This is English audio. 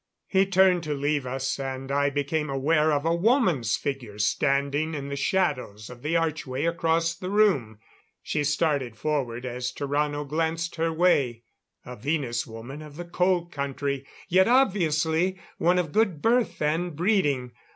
He turned to leave us, and I became aware of a woman's figure standing in the shadows of the archway across the room. She started forward as Tarrano glanced her way. A Venus woman of the Cold Country. Yet, obviously, one of good birth and breeding.